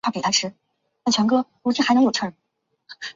温州地区早在商周时期就已经生产原始瓷器。